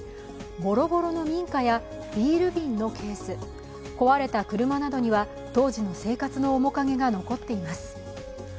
ぼろぼろの民家やビール瓶のケース、壊れた車などには当時の生活の面影が残っています。